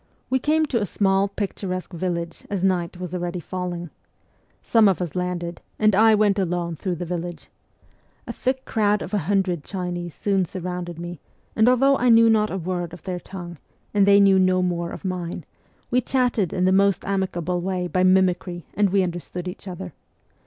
We came to a small, picturesque village as night was already falling. Some of 'us landed, and I went alone through the village. A thick crowd of a hundred Chinese soon surrounded me, and although I knew not a word of their tongue, and they knew no more of mine, we chatted in the most amicable way by mimicry and we understood each other.